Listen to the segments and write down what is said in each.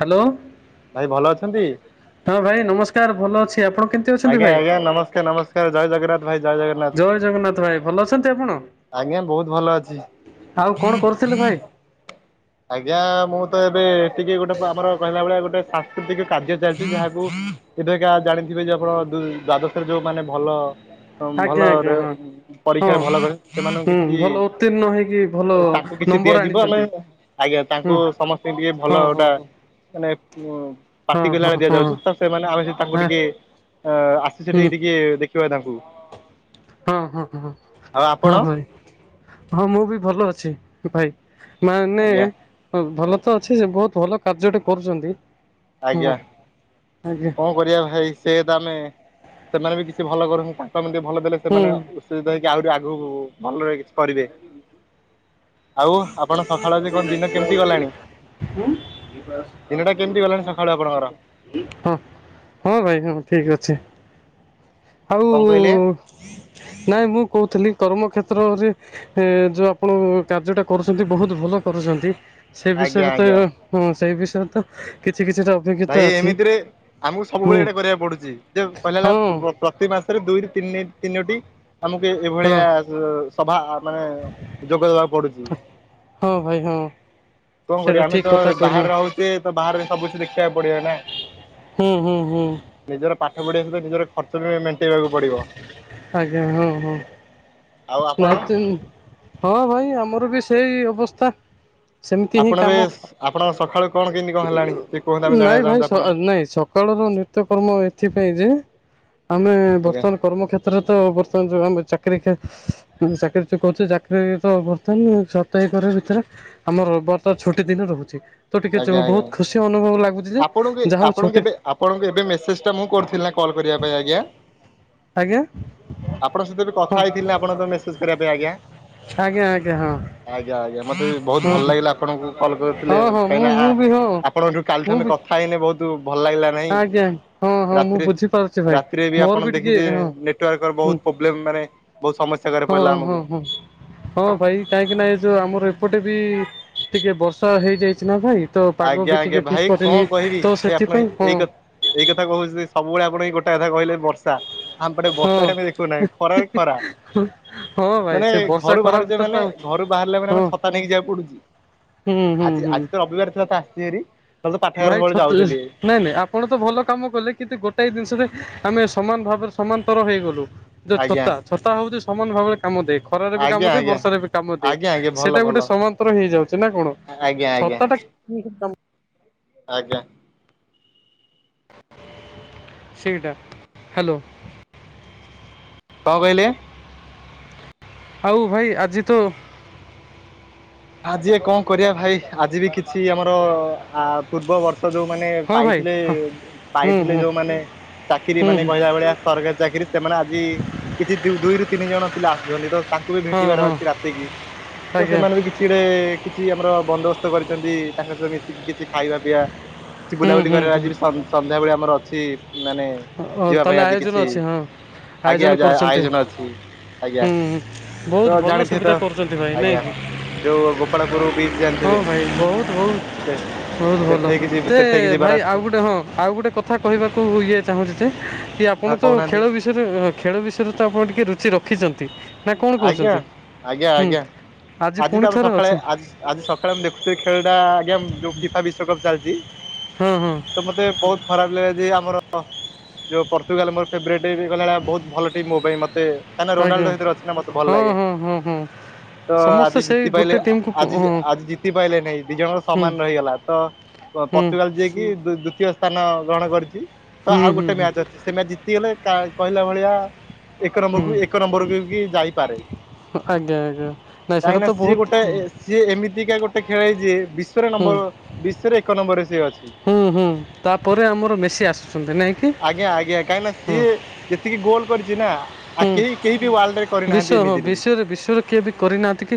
Hello ଭାଇ ଭଲ ଅଛନ୍ତି? ହଁ ଭାଇ ନମସ୍କାର ଭଲ ଅଛି। ଆପଣ କେମିତି ଅଛନ୍ତି ଆଜ୍ଞା ଭାଇ? ଆଜ୍ଞା ନମସ୍କାର ନମସ୍କାର ଜୟ ଜଗନ୍ନାଥ। ଭାଇ ଜୟ ଜଗନ୍ନାଥ ଜୟ ଜଗନ୍ନାଥ ଭାଇ ଭଲ ଅଛନ୍ତି ଆପଣ? ଆଜ୍ଞା ବହୁତ୍ ଭଲ ଅଛି। ଆଉ କଣ କରୁଥିଲେ ଭାଇ। ଆଜ୍ଞା ମୁଁ ତ ଏବେ ଟିକେ ଗୋଟେ ଆମର କହିଲା ବଳେ ଗୋଟେ ସାଂସ୍କୃତିକ କାର୍ଯ୍ୟ ଚାଲିଛି। ଯାହାକୁ ଏବେକା ଜାଣିଥିବେ ଯେ ଆପଣ ଦୁ ଦ୍ୱାଦଶରେ ଯୋଉ ମାନେ ଭଲ। ଆଜ୍ଞା ଆଜ୍ଞା ଭଲରେ ହଁ। ହଁ ପରୀକ୍ଷାରେ ଭଲ କରି ସେମାନଙ୍କୁ ହୁଁ କିଛି ଭଲ ଉତ୍ତୀର୍ଣ୍ଣ ହେଇକି ଭଲ ତାଙ୍କୁ କିଛି ନମ୍ବର ଦିଆଯିବ ଆମେ ଆଣିଛନ୍ତି। ଆଜ୍ଞା ହୁଁ ତାଙ୍କୁ ସମସ୍ତେ ଟିକେ ଭଲ ହଁ ହଁ ଟା ହଁ ମାନେ ଉ ହଁ ପାଟି ହଁ କାଳେ ହଁ ଦିଆଯାଉଛି। ତ ସେମାନେ ଆମେ ସେ ତାଙ୍କୁ ହଁ ଟିକେ ଅ ଆସି ହୁଁ ସେଠିକି ଟିକେ ଦେଖିବା ତାଙ୍କୁ। ହଁ ହଁ ହଁ ଆଉ ଆପଣ ହଁ ରେ ହଁ ମୁଁ ବି ଭଲ ଅଛି ଭାଇ। ମାନେ ଆଜ୍ଞା। ଭଲ ତ ଅଛି। ବହୁତ ଭଲ କାର୍ଯ୍ୟଟେ କରୁଛନ୍ତି। ଆଜ୍ଞା। ହଁ ଆଜ୍ଞା କଣ କରିବା ଭାଇ ସେ ତ ଆମେ ସେମାନେ ବି କିଛି ଭଲ କରନ୍ତୁ ତାଙ୍କୁ ଆମେ ଟିକେ ଭଲ ଦେଲେ ହୁଁ ସେମାନେ ଉତ୍ସହିତ ହେଇକି ଆହୁରି ଆଗୁକୁ ଭଲରେ କିଛି କରିବେ। ଆଉ ଆପଣ ସକାଳ ଯେ କଣ ଦିନ କେମିତି ଗଲାଣି? ଦିନଟା କେମିତି ଗଲାଣି ସକାଳେ ଆପଣଙ୍କର? ହଁ ହଁ ଭାଇ ହଁ ଠିକ୍ ଅଛି। ଆଉ କଣ କହିଲେ? ନାଇଁ ମୁଁ କହୁଥିଲି। କର୍ମକ୍ଷେତ୍ରରେ ଏଁ ଯୋଉ ଆପଣ କାର୍ଯ୍ୟଟା କରୁଛନ୍ତି ବହୁତ ଭଲ କରୁଛନ୍ତି। ସେ ଆଜ୍ଞା ବିଷୟରେ ତ ଆଜ୍ଞା ହଁ ସେଇ ବିଷୟରେ ତ କିଛି କିଛିଟା ଭାଇ ଅଭିଜ୍ଞତା ଅଛି। ଏମିତିରେ ଆମକୁ ସବୁବେଳେ ହୁଁ। ଏଇଟା କରିବାକୁ ପଡୁଛି। ଯେ କହିଲା ହେଲା ହଁ ପ୍ର-ପ୍ର ପ୍ରତି ମାସରେ ଦୁଇରୁ ତିନି ତିନୋଟି। ଆମକୁ ଏ ହଁ ଏଭଳିଆ ସଭା ମାନେ ଯୋଗ ଦେବାକୁ ପଡୁଛି। ହଁ ଭାଇ ହଁ। କଣ ସେଇଟା କରିବା ଆମେ ଠିକ ତ କଥା କହିଲ। ବାହାରେ ରହୁଛେ। ବାହାରେ ସବୁ କିଛି ଦେଖିବାକୁ ପଡିବା ନା। ହୁଁ ହୁଁ ହୁଁ ନିଜର ପାଠ ପଢିବା ସହିତ ନିଜର ଖର୍ଚ୍ଚ ଭି ମେନ୍ ଆଜ୍ଞା ହୁଁ ହୁଁ। ଆଉ ଆପଣ ନାଇଁ ତ ହଁ ଭାଇ ଆମର ବି ସେଇ ଅବସ୍ଥା। ସେମିତି ହିଁ ଆପଣ ବି କାମ। ଆପଣ ସକାଳୁ କଣ କେମିତି କଣ ହେଲାଣି ଟିକେ କୁହନ୍ତୁ ଆମେ ନାଇଁ ଜାଣିବାକୁ ଭାଇ ଚାହୁଁଛୁ ସ ଆପଣ ନାଇଁ ସକାଳ ନିତ୍ୟକର୍ମ ଏ ଏଥିପାଇଁ ଯେ ଆମେ ଆଜ୍ଞା ବର୍ତ୍ତମାନ କର୍ମକ୍ଷେତ୍ରରେ ତ ବର୍ତ୍ତମାନ ଯୋଉ ଆମେ ଚାକିରୀ କ୍ଷେ ଆମେ ଚାକିରୀ ଯୋଉ କହୁଛେ ଚାକିରୀ ତ ବର୍ତ୍ତମାନ କର ଭିତରେ ଆମର ରବିବାରଟା ଛୁଟି ଦିନ। ରହୁଛି। ତ ଟିକେ ଆଜ୍ଞା ଆଜ୍ଞା ବହୁତ ଖୁସି ଅନୁଭବ ଲାଗୁଛି ଯେ ଆପଣଙ୍କୁ ଯାହା ହଉ ଆପଣଙ୍କୁ ଛୁଟି ଏବେ ଆପଣଙ୍କୁ ଏବେ ମେସେଜ୍ ଟା ମୁଁ କରିୁଥିଲି ନା କ କଲ୍ କରିବା ପାଇଁ ଆଜ୍ଞା। ଆଜ୍ଞା ଆପଣଙ୍କ ସହିତ ବି ହଁ କଥା ହେଇଥିଲେ ନା ଆପଣ ତ ମେସେଜ କିରା ପାଇଁ ଆଜ୍ଞା। ଆଜ୍ଞା ଆଜ୍ଞା ହଁ। ଆଜ୍ଞା ଆଜ୍ଞା ମତେ ବି ବହୁତ ହଁ ଭଲ ହଁ ଲାଗିଲା ଆପଣଙ୍କୁ କଲ୍ କରିଥିଲେ ହଁ ହଁ ମୁଁ କାହିଁକିନା ଆ ମୁଁ ବି ହଁ ଆପଣଙ୍କଠୁ କାଲି ଠୁ ମୁଁ ଆମେ ବି କଥା ହେଇନେ ବୋହୁତ ଭଲ ଲାଗିଲା ନାହିଁ ଆଜ୍ଞା ହଁ ହଁ ମୁଁ ରାତିରେ ବୁଝିପାରୁଛି ଭାଇ ରାତିରେ ବି ମୋର ଆପଣ ଟିକେ ଦେଖିଥେ ହଁ ନେଟୱାର୍କର ବୋହୁତ ହଁ ପୋବ୍ଲେମ୍ ମାନେ ବହୁତ ସମସ୍ୟା ତାରେ ପଡିଲା ହଁ ହଁ ଆମକୁ। ହଁ ହଁ ଭାଇ କାହିଁକି ନା ଏ ଯୋଉ ଆମର ଏପଟେ ବି ଟିକେ ବର୍ଷା ହେଇଯାଇଛି ନା ଭାଇ ତ ପାଗ ଆଜ୍ଞା ବି ଆଜ୍ଞା ଟିକିଏ ଠିକ୍ ଭାଇ କରିନି କଣ କହିବି ତ ଭାଇ ଆପଣ ସେଥିପାଇଁ ହଁ ଏଇ କ ଏଇ କଥା କୋହୁଛି ସବୁବେଳେ ଆପଣ ଏଇ ଗୋଟାଏ କଥା କହିଲେ ବର୍ଷା। ଆମପଟେ ହଁ ବର୍ଷା କେବେ ଦେଖୁନାଇଁ ଖରା ହିଁ ଖରା। ହଁ ଭାଇ ମାନେ ସେ ବର୍ଷା ଘରୁ ଖରା ବାହାରୁଛେ ଭିତରେ ମାନେ ତ ଘରୁ ବାହାରିଲେ ମାନେ ହଁ ଆମେ ଛତା ନେଇକି ଯିବାକୁ ପଡୁଚି। ହୁଁ ହୁଁ ଆଜି ହୁଁ ଆଜି ତ ରବିବାର ଥିଲା ତ ଆସିଚି ଭାରି। ଭାଇ ଛତୁ ଜରି ନାଇଁ ନାଇଁ ଆପଣ ତ ଭଲ କାମ କଲେ କିନ୍ତୁ ଗୋଟାଏ ଜିନିଷରେ ଆମେ ସମାନ ଭାବରେ ସମାନ୍ତର ହୋଇଗଲୁ। ଯୋଉ ଆଜ୍ଞା ଛତା ଛତା ହେଉଚି ସମାନ ଭାବରେ କାମ ଦିଏ ଖରାରେ ବି ଆଜ୍ଞା କାମ ଦିଏ ଆଜ୍ଞା ବର୍ଷାରେ ବି କାମ ଦିଏ ଆଜ୍ଞା ଆଜ୍ଞା ଭଲ ସେଟା ଗୋ ଭଲ ଗୋଟେ ସମାନ୍ତର ହେଇଯାଉଚି ନା କଣ ଆଜ୍ଞା ଆଜ୍ଞା ଛତା ଟା [unintelligible] ଆଜ୍ଞା। ସେଇଡା ହାଲୋ। କଁ କହିଲେ? ଆଉ ଭାଇ ଆଜି ତ ଆଜି ଭାଇ କଁ କରିବା ଭାଇ ଆଜି ବି କିଛି ଆମର ଆ ପୂର୍ବ ବ ର୍ଷ ଯୋଉମାନେ ହଁ ଭାଇ ପାଇଥିଲେ ହଁ ହୁଁ ପାଇଥିଲେ ହୁଁ ଯୋଉମାନେ ଚାକିରୀ ହୁଁ ମାନେ ହୁଁ କହିଲା ଭଳିଆ ସରକାରୀ ଚାକିରି ସେମାନେ ଆଜି କିଛି ଦି ଦୁଇରୁ ତିନି ଜଣ ପିଲା ଆସୁଛନ୍ତି ତ ତାଙ୍କୁ ବି ହଁ ଭେଟିବାର ହଁ ଅଛି ରାତିକି ତ ଆଜ୍ଞା ସେମାନେ ବି କି କିଛି ଆମର ବନ୍ଦୋବସ୍ତ କରିଚନ୍ତି ତାଙ୍କ ସହିତ ମିଶିକି କିଛି ଖାଇବା ପିଇବା। କିଛି ହୁଁ ବୁଲାବୁଲି ହୁଁ କରିବା ହୁଁ ଆଜି ବି ସନ୍ ସନ୍ଧ୍ୟାବେଳେ ଆମର ଅଛି ମାନେ ଯିବା ପାଇଁ ତାହେଲେ ଆଜି ଆୟୋଜନ କିଛି ଅଛି ହଁ ଆଜ୍ଞା ଆୟୋଜନ ଆଜି କରୁଛନ୍ତି ଆୟୋଜନ ଅଛି। ଆଜ୍ଞା ହୁଁ ହୁଁ ବହୁତ ତ ଭଲ ଜାଣିଥିବେ ତ ସୁବିଧା କରୁଛନ୍ତି ଭାଇ ନାଇଁ ଆଜ୍ଞା। କି ଯୋଉ ଗୋପାଳପୁରୁ ବିଚ ହଁ ଜାଣିଥିବେ ଭାଇ ବହୁତ ବହୁତ ସେ ବହୁତ ଭଲ ସେଠେଇକି ଯି ଯେ ସେଠେଇକି ଭାଇ ଯିବାର ଆଉ ଅଛି ଗୋଟେ ହଁ ଆଉ ଗୋଟେ କଥା କହିବାକୁ ଇଏ ଚାହୁଁଛି ଯେ କି ଆପଣ ହଁ ତ କହୁନାହାନ୍ତି ଖେଳ ବିଷୟରେ ଖେଳ ବିଷୟରେ ତ ଆପଣ ଟିକେ ରୁଚି ରଖିଚନ୍ତି। ଆଜ୍ଞା ଆଜ୍ଞା ଆଜ୍ଞା। ଆଜି ତ ପୁଣି ଆମେ ଥରେ ସକାଳେ ଅଛି ଆଜି ଆଜି ସକାଳେ ଆମେ ଦେଖୁଥିଲେ ଖେଳଟା ଆଜ୍ଞା ଯୋଉ ଫିଫା ବିଶ୍ୱକପ୍ ଚାଲିଚି ହଁ ହଁ ତ ମୋତେ ବୋହୁତ ଖରାପ ଲାଗିଲା ଯେ ମୋରୋ ଯୋଉ ପର୍ତୁଗାଲ ମୋର ଫେବ୍ରେଟ। [unintelligible] ବହୁତ ଭଲ ଟିମ୍ ମୋ ପାଇଁ ମତେ କାହିଁକିନା ରୋନାଲ୍ଡୋ ହେଇଥିରେ ଅ ହୁଁ ହୁଁ ହୁଁ ହୁଁ। ତ ଆଜି ଜିତି ପାଇଲେ ଆଜି ହଁ ଆଜି ଜିତି ପାଇଲେ ନେଇଁ ଦି ଜଣଙ୍କର ହୁଁ ସମାନ ରହିଗଲା ତ ପ ହୁଁ ପର୍ତୁଗାଲ ଯିଏକି ଦୁ ଦୂତୀୟ ସ୍ଥାନ ନ ଗ୍ରହଣ କରିଛି ତ ହୁଁ ଆଉ ହୁଁ ଗୋଟେ ମ୍ୟାଚ ଅଛି ସେ ମ୍ୟାଚ ଜିତିଗଲେ ତା କହିଲା ଭଳିଆ ଏକ ହୁଁ ନମ୍ବରକୁ ଏକ ହୁଁ ନମ୍ବରକୁ। [unintelligible] ଯାଇପାରେ ଆଜ୍ଞା ଆଜ୍ଞା ନାଇଁ ସେଇଟା କାହିଁକିନା ତ ସିଏ ବହୁତ ଗୋଟାଏ ସିଏ ଏମିତିକା ଗୋଟେ ଖେଳାଳି ଯିଏ ବିଶ୍ୱରେ ହୁଁ ନମ୍ବର ବିଶ୍ୱରେ ଏକ ନମ୍ବରରେ ସିଏ ଅଛି ହୁଁ ହୁଁ ତାପରେ ଆମର ମେସି ଆସୁଛନ୍ତି ନାଇଁ କି ଆଜ୍ଞା ଆଜ୍ଞା କାହିଁକିନା ହୁଁ। ସିଏ ଯେତିକି ଗୋଲ କରିଚି ନା ଆ କେହି କେହି ବି ୱାଲ୍ଡରେ ବିଶ୍ଵ ହଁ ବିଶ୍ୱରେ ବିଶ୍ୱରେ କିଏ ବି କରିନାହାନ୍ତି କି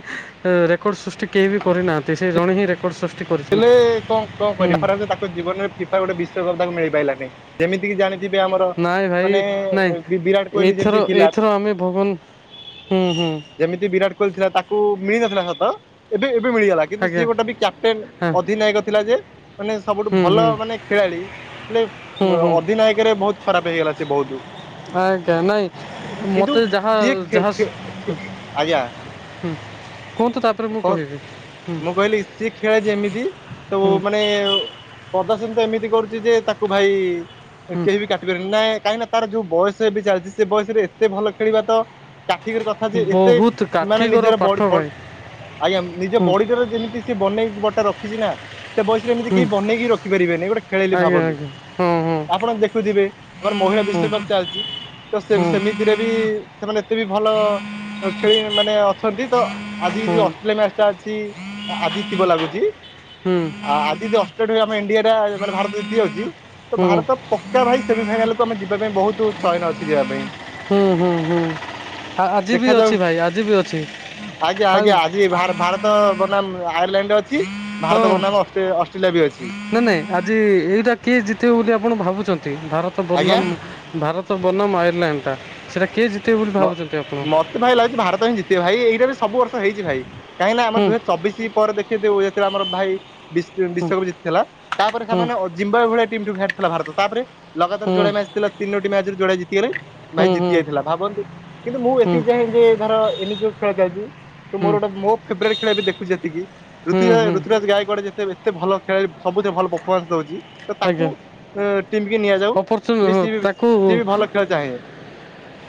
ରେକର୍ଡ ସୃ କେହି ବି କରିନାହାନ୍ତି ସେ ଜଣେ ହିଁ ରେକର୍ଡ ସୃଷ୍ଟି ହେଲେ କରିଛନ୍ତି କଣ କଣ ହୁଁ କରିବା ଖରାପ୍ ଯେ ତାକୁ ଜୀବନରେ ଫିଫା ଗୋଟେ ବିଶ୍ୱକପ୍ ତାଙ୍କୁ ମିଳିପାଇଲାନି ଯେମିତିକି ଜାଣି ଯିବେ ଆମର ନାଇଁ ଭାଇ ମାନେ ନାଇଁ ବି ବିରାଟ୍ କୋହିଲ୍ ଏଇଥର ଯେମିତି ଥିଲା। ଏଇଥର ଆମେ ଭଗବାନ ହୁଁ ହୁଁ ଯେମିତି ବିରାଟ କୋହିଲ୍ ଥିଲା ତାକୁ ମିଳିନଥିଲା ସତ ଏବେ ଏବେ ମିଳିଗଲା କିନ୍ତୁ ଆଜ୍ଞା ସିଏ ଗୋଟେ ବି କ୍ୟାପଟେନ୍ ହଁ ଅଧିନାୟକ ଥିଲା ଯେ ମାନେ ସବୁଠୁ ହୁଁ ଭଲ ହୁଁ ମାନେ ଖେଳାଳି ହେଲେ ହୁଁ ହୁଁ ଅଧିନାୟକ ରେ ବହୁତ ଖରାପ ହେଇଗଲା ସେ ବହୁତ। ଆଜ୍ଞା ନାଇଁ କିନ୍ତୁ ମତେ ଯାହା ସିଏ ଖେ ଯାହା ଖେ ଖେ ଆଜ୍ଞା ହୁଁ। କୁହନ୍ତୁ ତାପରେ ମୁଁ କଣ କହିବି ହୁଁ ମୁଁ କହିଲି ସେ ଖେଳେ ଯେମିତି ତ ହୁଁ ମାନେ ପଦାସନ ତ ଏମିତି କରୁଛି ଯେ ତାକୁ ଭାଇ ହୁଁ କେହି ବି କାଟି ପାରିବେନି ନାଇ କାହିଁକି ନା ତାର ଯୋଉ ବୟସ ଏ ବି ଚାଲିଛି ସେ ବୟସରେ ଏତେ ଭଲ ଖେଳିବା ତ କାଠିକର କଥା ଯେ ଏତେ ବହୁତ ମାନେ କାଠିକର ନିଜର ପାଠ ବ-ବ ଭାଇ ଆଜ୍ଞା ନିଜ ହୁଁ ବଡିଟାର ଯେମିତି ସେ ବନେଇକି ବଟା ରଖିଛି ନା ସେ ବୟସରେ ଏମିତି ହୁଁ କେହି ବନେଇକି ରଖିପାରିବେନି ଗୋଟେ ଖେଳିଲି ଆଜ୍ଞା ଭାବନ୍ତୁ ଆଜ୍ଞା ହଁ ଆପଣ ଦେଖୁଥିବେ ମୋର ମହିଳା ହଁ ବିଶ୍ୱକପ ଚାଲିଛି ତ ସେ ହଁ ସେମିତିରେ ବି ସେମାନେ ଏତେ ବି ଭଲ ଖେଳି ମାନେ ଅଛନ୍ତି ତ ଆଜି ହଁ ହଁ ଯ ମ୍ୟାଚ୍ ଟା ଅଛି ଜିତିବ ଲାଗୁଛି ହୁଁ ଆଜି ଏ ଅଷ୍ଟ୍ରାଡ ଠୁ ଆମ ଇଣ୍ଡିଆଟା ମାନେ ଭାରତ ଜିତି ଯାଉଛି ତ ହୁଁ ଭାରତ ପକ୍କା ଭାଇ ସେମିଫାଇନାଲ କୁ ଆମେ ଯି ଯିବା ପାଇଁ ବହୁତ ଶୟନ ଅଛି ଯିବା ପାଇଁ। ହୁଁ ହୁଁ ହୁଁ ଆ- ଆଜି ବି ଦେଖାଯାଉ ଅଛି ଭାଇ ଆଜି ବି ଅଛି ଆଜ୍ଞା ଆଉ ଆଜ୍ଞା ଆଜିି ଏବ୍ ଭାର ଭାରତ ବନାମ୍ ଆୟାରଲାଣ୍ଡ ଅ ହଁ ଅଛି ନା ନା ଆଜି ଏଇଟା କିଏ ଜିତିବ ବୋଲି ଆପ ଆପଣ ଭାବୁଛନ୍ତି ଭାରତ ଆଜ୍ଞା। ବର୍ଣ୍ନାମ୍ ଭାରତ ବନାମ ଆୟରଲାଣ୍ଡଟା ସେଇଟା କିଏ ଜିତ୍ ବ ବୋଲି ମ ଭାବୁଛନ୍ତି ଆପଣ? ମତେ ଭାଇ ଲାଗୁଛି ଭାରତ ହିଁ ଜିତିବେ ଭାଇ ଏଇଟା ବି ସବୁ ବର୍ଷ ହେଇଛି ଭାଇ କାହିଁକ ନା ଆମ ହୁଁ ଦୁଇ ହଜାର ଚବିଶି ପରେ ଦେଖି ଦେଉ ଆମର ଭାଇ ବିଶ୍ବ ହୁଁ ବିଶ୍ୱକପ୍ ଜିତିଥିଲା ତାପରେ ହୁଁ ସେମାନେ ଅଜିମ୍ବା ଏ ଭଳିଆ ଟିମ୍ ଠୁ ହାରି ଥିଲା ଭାରତ ତାପରେ ଲଗାତାର ହୁଁ ଯୋଡା ମ୍ୟାଚ ଥିଲା ତିନୋଟି ମ୍ୟାଚରେ ଯୋଡା ଜତି ଗଲେ ଭାଇ ହୁଁ ଜିତି ଯାଇଥିଲା ଭାବନ୍ତୁ କିନ୍ତୁ ମୁଁ ହୁଁ ହୁଁ ଏତିକି ଚାହେଁ ଯେ ଧର ଏମିତି ଯୋଉ ଖେଳ ଚାଲିଛି ତ ହୁଁ ମୋର ଗୋଟେ ମୋ ଫେରରେଟ ଖେଳ ଏବେ ଦେଖୁଛି ଯେତିକି ହୁଁ ଋତୁରାଜ୍ ହୁଁ ଋତୁରାଜ ଗାଇ ଯେତେ ଏତେ ଭଲ ଖେଳାଳି ସବୁଥିରେ ଭଲ ପଫମାନ୍ସ ଦଉଛି ତ ଆଜ୍ଞା ତାକୁ ଟିମ୍ କି ନିଆଯାଉ, ଅପରଚୁନି ଯେ ହଁ ସିଏ ବି, ତାକୁ ସିଏ ବି ଭଲ ଖେଳ ଚାହେଁ।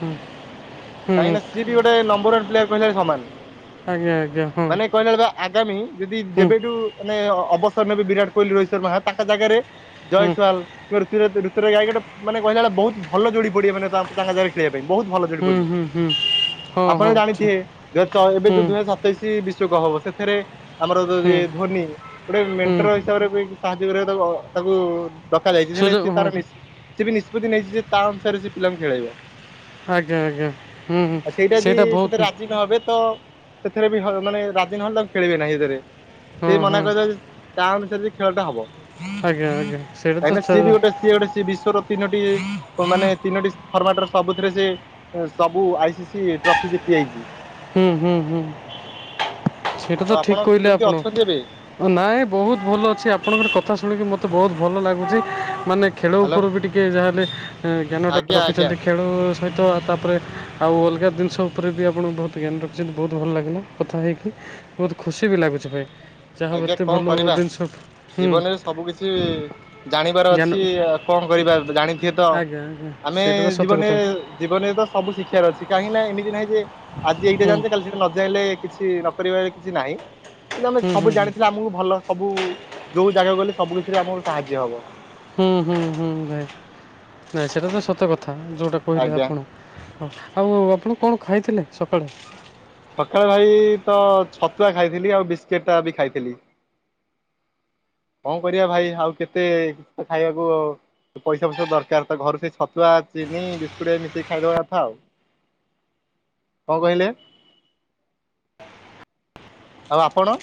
ହୁଁ। କାହିଁକି ନା ସିଏ ବି ଗୋଟେ, ନମ୍ବର ୱାନ ପ୍ଲେୟାର କହିଲା ସମାନ୍। ଆଜ୍ଞା ଆଜ୍ଞା ହଁ। ଆଗାମୀ ଯଦି, ହୁଁ ଯେବେଠୁ ମାନେ ଅବସର ନେବେ, ବିରାଟ କୋହଲି ରୋହିତ ଶର୍ମା ତାଙ୍କ ଜାଗାରେ ହୁଁ ଜୟଶ୍ଵାଲ୍ ତୁରୁ ତୁରୁ ଋତୁ ଗାୟିକା ମାନେ କହିଲା ବହୁତ ଭଲ ଯୋଡି ପଡିବେ ମାନେ ତାଙ୍କ ଜାଗାରେ ଖେଳିବା ପାଇଁ ମାନେ ବହୁତ ଭଲ ଯୋଡ଼ି। ହୁଁ ପଡ଼ିବେ ହୁଁ ହୁଁ ହଁ ଆପଣ ହଁ ଜାଣିଥିବେ ଠିକ ଯ ଏବେ ହୁଁ ଯୋଉ ଦୁଇ ହଜାର ସତେଇଶ ବିଶ୍ଵକପ ହବ ସେ ଥିରେ ଆମର ଯ ହୁଁ ଯଦି ଧୋନି ଗୋଟେ ହୁଁ ମେଣ୍ଟର ହିସାବରେ ବି ସାହାଯ୍ୟ କରିବାକୁ ତାକୁ ତାକୁ ଡକା ଯାଇଛି ହେଲେ ସେଇଟା ସିଏ ହଁ ତାର ନିଷ ସିଏ ବି ନିଷ- ନିଷ୍ପତ୍ତି ନେଇଛି ଯେ, ତା ଅନୁସାରେ ସେ ପିଲାଙ୍କୁ ଖେଳେଇବ। ଆଜ୍ଞା ଆଜ୍ଞା ହୁଁ ହୁଁ ଆଉ ସେଇଟା ଯଦି, ସେ ତ ବହୁତ ରାଜି ନହେବେ ତ ସେଥିରେ ବି ମାନେ ହ ରାଜି ନହେଲେ ତାଙ୍କୁ ଖେଳେଇବେ ନାହିଁ ସେଥିରେ ହଁ ସିଏ ମନା ହଁ କରିଦେଲା ଯେ ତା ଅନୁସାରେ ଯଦି ଖେଳ ଟା ହବ। ଆଜ୍ଞା ଆଜ୍ଞା ସେଇଟା କାହିଁକି ତ ନା ସିଏ ବି ଗୋଟେ, ଛ- ସିଏ ଗୋଟେ ସିଏ ବିଶ୍ୱର ତିନୋଟି ମାନେ ତିନୋଟି ଫର୍ମାଟରେ, ସବୁଥିରେ ସେ ସବୁ ଆଇ ସି ସି ଟ୍ରଫି ଜିତି ଯାଇଛି। ହୁଁ ହୁଁ ହୁଁ। ସେଇଟା ଆଉ ତ ଆପଣ ଠିକ କହିଲେ କେମିତି ଆପଣ, ଅଛନ୍ତି ଏବେ? ନାଇଁ ବହୁତ ଭଲ ଅଛି ଆପଣଙ୍କର କ କଥା ଶୁଣିକି ମୋତେ ବହୁତ ଭଲ ଲାଗୁଛି, ମାନେ ଖେଳ ହ୍ୟାଲୋ ଉପରେ ବି ଟିକେ ଯାହେଲେ ଜ୍ଞାନଟା ଆଜ୍ଞା ଆଜ୍ଞା ରଖିଛନ୍ତି, ଖେଳ ସହିତ ତାପରେ ଆଉ ଅଲଗା ଜିନିଷ ଉପରେ ବି, ଆପଣ ବହୁତ ଜ୍ଞାନ ରଖିଛନ୍ତି, ବହୁତ ଭଲ ଲାଗିଲା କଥା ହେଇକି ବହୁତ ଖୁସି ବି ଲାଗୁଛି ଭାଇ। ଯାହା ହଉ ଆଜ୍ଞା ଏତେ କଣ ଭଲ କରିବା, ଜିନିଷ ହୁଁ ଜୀବନରେ ସବୁ କିଛି ଜାଣିବାର ଜ୍ଞାନ ଅଛି, ଆଉ କଣ କଣ କରିବା ଜାଣିଥିବେ ତ, ଆଜ୍ଞା ଆଜ୍ଞା ଆମେ ସେଇଟା ତ ସତ ଜୀବନ କଥା ଜୀବନରେ ତ ସବୁ ଶିଖିବାର ଅଛି କାହିଁକି ନା ଏମିତି ନାହିଁ ଯେ ଆଜି ଏଇଟା ହୁଁ ଜାଣିଛେ, କାଲି ସେଟା ନ ଜାଣିଲେ କିଛି ନ କରିବାରେ କିଛି ନାହିଁ। କିନ୍ତୁ ଆମେ ହୁଁ ସବୁ ହୁଁ ଜାଣିଥିଲେ ଆମକୁ ଭଲ, ସବୁ ଯୋଉ ଜାଗା ଗଲେ, ସବୁ କିଛିରେ ଆମକୁ ସାହାଯ୍ୟ ହବ। ହୁଁ ହୁଁ ହୁଁ ଭାଇ, ନାଇଁ ସେଇଟା ତ ସତ କଥା, ଯଉଟା କହିଲେ ଆଜ୍ଞା ଆପଣ। ହଁ ଆଉ ଆପଣ କଣ ଖାଇଥିଲେ ସକାଳେ? ସକାଳେ ଭାଇ, ତ ଛତୁଆ ଖାଇଥିଲି ଆଉ ବିସ୍କେଟ୍ ଟା ବି ଖାଇଥିଲି। କଣ କରିବା ଭାଇ ଆଉ କେତେ ଖାଇବାକୁ, ପଇସା ଫଇସା ଦରକାର ତ ଘରୁ ସେ ଛତୁଆ ଚିନି ବିସ୍କୁଟ୍, ଏ ମିସେଇକି ଖାଇଦବା କଥା ଆଉ। [inaudible] କ କହିଲେ? ଆଉ ଆପଣ?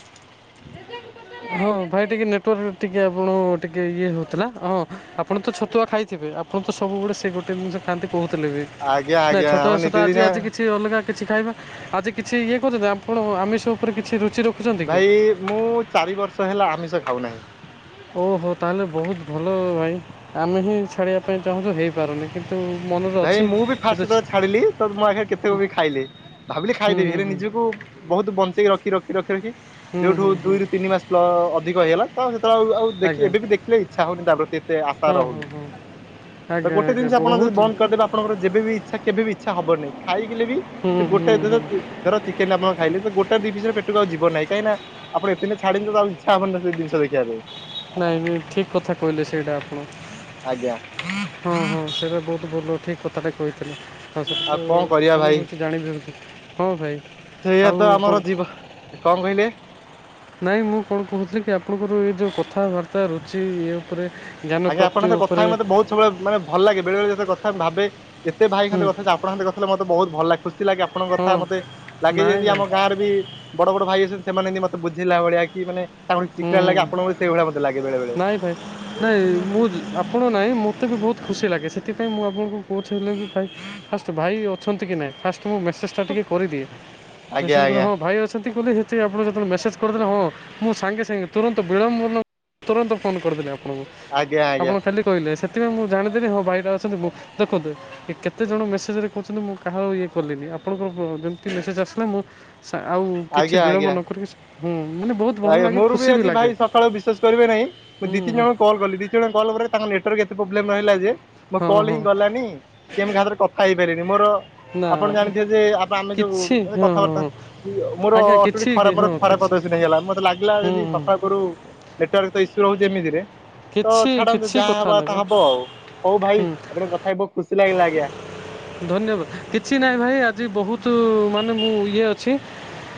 ହଁ ଭାଇ ଟିକେ, ନେଟୱାର୍କ ଟିକେ ଆପଣ ଟିକେ, ଇଏ ହଉଥିଲା ହଁ ଆପଣ ତ ଛତୁଆ ଖାଇଥିବେ ଆ ଆପଣ ତ ସବୁବେଳେ, ସେ ଗୋଟେ ଜିନିଷ ଖାଆନ୍ତି କହୁଥିଲେ ବି, ଆଜ୍ଞା ନାଇଁ ଆଜ୍ଞା ଛତ୍ ଆମ ଛତୁଆ ସେଟା ଆଜି ନିତିଦିନିଆ ଆଜି କିଛି ଅଲଗା କିଛି ଖାଇବା, ଆଜି କିଛି ଇଏ କରୁଛନ୍ତି, ଆପଣ ଆମିଷ ଉପରେ କିଛି ରୁଚି ର ଭାଇ ମୁଁ ଚାରି ବର୍ଷ ହେଲା, ଆମିଷ ଖାଉ ନାହିଁ ଓହୋ ତାହେଲେ ବହୁତ ଭଲ ଭାଇ, ଆମେ ହିଁ ଛାଡ଼ିବା ପାଇଁ ଚାହୁଁଛୁ, ହେଇପାରୁନି କିନ୍ତୁ ମନରେ ଭାଇ ଅଛି ମୁଁ ବି ଫାଷ୍ଟ କିନ୍ତୁ ଯେତେବେଳେ ଛାଡିଲି ତ ମୋ ଆଗରେ କେତେ କ ବି ଖାଇଲେ। ଭାବିଲି ହୁଁ ଖାଇଦେବି, ହୁଁ ହେଲେ ହୁଁ ନିଜକୁ ବହୁତ ବଞ୍ଚେଇକି ରଖି ରଖି ରଖି ରଖି ହୁଁ ଯୋଉଠୁ ହୁଁ ହୁଁ ଦୁଇ ରୁ ତିନି ମାସ ଅଧିକ ହେଲା ତ ଆଉ ଦେଖି ଆଜ୍ଞା ଏବେ ବି ଦେଖିଲେ ଇଚ୍ଛା ହଉନି, ତା ପ୍ରତି ଏତେ ଆଶା ହଁ ହଁ ରହୁନି ହଁ ତ ଆଜ୍ଞା ଗୋଟେ ଆଜ୍ଞା ଜିନିଷ ଆପଣ ଯଦି ବହୁତ ବନ୍ଦ ର ଯେବେ ବି ଇଚ୍ଛା, କେବେ ବି ଇଚ୍ଛା ହବନାହିଁ। ଖାଇଲେ ବି ହୁଁ ସେ ହୁଁ ଗୋଟେ ହୁଁ ଧର, ଚିକେନ ଆପଣ ଖାଇଲେ ଗୋଟେ ଦି ପିସରେ ପେଟକୁ ଆଉ ଯିବନାହିଁ, କାହିଁକି ନା ଆପଣ ଏତେ ଦିନ ଛାଡିଛନ୍ତି ତ ଆଉ ଇଚ୍ଛା ହବନି ସେ ଜିନଷ ଦେଖିବା ପାଇଁ ନାଇଁ, ନାଇଁ, ଠିକ କଥା କହିଲେ ସେଇଟା ଆପଣ ଆଜ୍ଞା। ତେ ଭଲ ଠିକ୍ କଥାଟା କହିଥିଲେ, ତା ସହିତ ଆଉ କଣ ତ, କରିବା ଶୁଣି ଭାଇ ହେଉଛି ଜାଣିବି ହେଉଛି, ହଁ ଭାଇ ସେଇଆ ଆଉ ତ, କ'ଣ ଆମର ଜୀବ କଣ କହିଲେ? ନାଇଁ ମୁଁ କଣ କହୁଥିଲି କି- ଆପଣଙ୍କର ଏଇ ଯୋଉ କଥାବାର୍ତ୍ତା ରୁଚି ଇଏ ଉପରେ ଜ୍ଞାନ ଆଜ୍ଞା, ପ୍ରାପ୍ତି ଆପଣଙ୍କ କଥା ଉପରେ ମତେ ବହୁତ ସବୁବେଳେ ଭଲ ଲାଗେ ବେଳେ ବଳେତ କଥା ଭାବେ। ଏତେ ଭାଇ ସା ହୁଁ କଥା ଆପଣଙ୍କ କଥିଲେ ମତେ ବହୁ ଭଲ ଲାଗୁସି [unintelligible] ଏମିତି ଲାଗେ ଆପଣଙ୍କ ହଁ କଥା ମତେ ଲାଗେ ନାଇଁ ଯେମିତି ଭାଇ ଆମ ଗାଁରେ ବି ବଡ ବଡ ଭାଇ ଅଛନ୍ତି। ସେମାନେ ଏିମିତି ମତେ ବୁଝିଲା ଭଳିଆ କି ମାନେ ତାଙ୍କଠୁ ହୁଁ ଶିଖିଲା ଲାଗି ଆପଣ ସେଇଭଳିଆ ମତେ ଲାଗେ ବେଳେବେଳେ। ନାହିଁ ମୁଁ ଆପଣ ନାହିଁ ମୋତେ ବି ବହୁତ୍ ଖୁସି ଲାଗେ ସେଥିପାଇଁ ମୁଁ ଆପଣଙ୍କୁ କହୁଛି ହେଲେ ବି ଖାଇ ଭାଇ ଅଛନ୍ତି କି ନାଇଁ, ଫାଷ୍ଟ ମୁଁ ମେସେଜ ଟା ଟିକେ କରିଦିଏ, ଆଜ୍ଞା ମେସେଜ୍, ଆଜ୍ଞା ହଁ ଭାଇ ଅଛନ୍ତି ବୋଲି। ସେ ଆପଣଙ୍କୁ ଯେତବେଳେ ମେସେଜ୍ କରିଥିଲେ ହଁ ମୁଁ ସାଙ୍ଗେ ସାଙ୍ଗେ ତୁରନ୍ତ ବିଳମ୍ବ ତୁରନ୍ତ ଫୋନ କରିଦେଲି ଆପଣ, ଆଜ୍ଞା ଆଜ୍ଞା ଆପଣ ଖାଲି କହିଲେ ସେ ସେଥିପାଇଁ ମୁଁ ଜାଣିଥିଲି ହଁ ଭାଇଟା ଅଛନ୍ତି ମୁଁ କରିଦେବେ। କେତେଜଣ ମେସେଜେରେ କହୁଛନ୍ତି ମୁଁ କାହା ଇଏ କଲିନି। ଆପଣଙ୍କ ଯେମିତି ମେସେଜ୍ ଆସିଲା ମୁଁ ଆଉ କିଛି ଆଜ୍ଞା ବିଳମ୍ବ ଆଜ୍ଞା। ନ କରିକି ହଁ ମାନେ ବହୁତ ଭଲ ଲାଗେ। ଆଗୁରୁବି ଖୁସି ବି ଆଜି ଲାଗେ ଭାଇ ସକାଳୁ ବିସେସ୍ କରିବେ ନାହିଁ। ହୁଁ ହୁଁ ଦିତିନୀଜଣଙ୍କୁ କଲ୍ କଲି ଦିତିନି ଜଣ କଲ୍ ପରେତାଙ୍କ ନେଟେଆକ୍ ବିଜୁଳି ମାଇଲା ଯେ -ମୋ ହଁ କଲ୍ ହଁ ହିଁ ଗଲାନି କି କାହା ସାଙ୍ଗରେ କଥା ହେଇପାରିନି, ମୋର ନା ଆପଣ ଜାଣିଥିବେ ଯେ ଆମେ, ଆମେ ଯୋଉ କିଛି ହଁ ହଁ କଥାବାର୍ତ୍ତା ହଁ ମୋର ଆଜ୍ଞା ଅଟୁଳୀ କିଛି ଖରା ମୋର ହଁ ଖରାପ କିଛି ମତେ ସେ ନେଇଗଲା ମତେ ଲାଗିଲା ହୁଁ ଯେମିତି ହୁଁ -ସକାଳୁ ପହରୁ ନେଟୱାର୍କ ତ ଇସ୍ୟୁ ରହୁଛି ଏମିତିରେ ତ କିଛି ଛାଡନ୍ତୁ କିଛି ଯାହା ହବା କଥା ନାହିଁ ହବ ଆଉ, ହଉ ଭାଇ ହୁଁ [unintelligible] ଗୋଟେ କଥା ହେଇବ ଖୁସି ଲାଗିଲା ଆଜ୍ଞା। ଧନ୍ୟବାଦ, କିଛି ନାହିଁ ଭାଇ ଆଜି ବହୁତ ମାନେ ମୁଁ ଇଏ ଅଛି।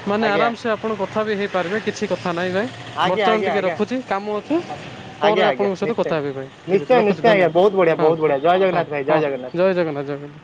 ମାନେ ଆଜ୍ଞା ଆରାମସେ ଆପଣ କଥା ବି ହେଇପାରିବେ କିଛି କଥା ହଁ ନାଇଁ, ନାଇଁ, ଆଜ୍ଞା ବର୍ତ୍ତମାନ ଆଜ୍ଞା ଟିକେ ଆଜ୍ଞା। ରଖୁଛି କାମ ଅଛି, ପରେ ଆଜ୍ଞା ଆଜ୍ଞା ଆପଣଙ୍କ ସହିତ କଥା ନିଶ୍ଚୟ ହେବି ଭାଇ, ଠିକ୍ ଅଛି ନିଶ୍ଚୟ ରଖୁଛି। ନିଶ୍ଚୟ ଧନ୍ୟବାଦ, ଆଜ୍ଞା ବହୁତ ବଢ଼ିଆ ହଁ ବହୁତ ହ ବଢ଼ିଆ ଜୟ ହଁ ଜଗନ୍ନାଥ ଭାଇ ଜୟ ହଁ ଜଗନ୍ନାଥ। ଜୟ ଜଗନ୍ନାଥ, ଜୟ ଜଗନ୍ନାଥ